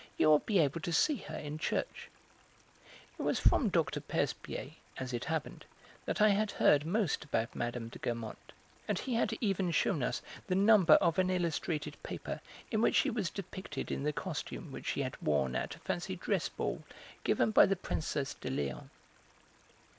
You will be able to see her in church." It was from Dr. Percepied, as it happened, that I had heard most about Mme. de Guermantes, and he had even shewn us the number of an illustrated paper in which she was depicted in the costume which she had worn at a fancy dress ball given by the Princesse de Léon.